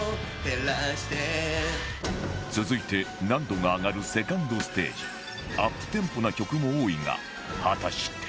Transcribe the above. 続いて難度が上がる ２ｎｄ ステージアップテンポな曲も多いが果たして